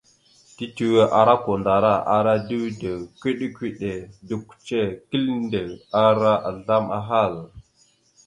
Tetʉwe ara kwandara, ara dʉdew, kʉɗe-kʉɗe, dʉkʉce, kʉlindzek, ara azzlam ahal.